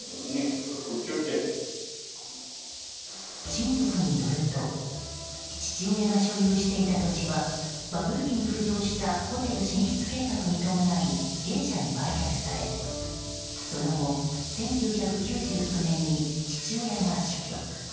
親族によると父親が所有していた土地はバブル期に浮上したホテル進出計画に伴いＡ社に売却されその後、１９９９年に父親が死去。